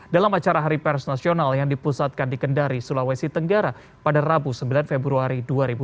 dalam acara hari pers nasional yang dipusatkan di kendari sulawesi tenggara pada rabu sembilan februari dua ribu dua puluh